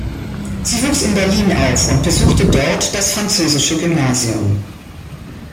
Sie wuchs in Berlin auf und besuchte dort das Französische Gymnasium.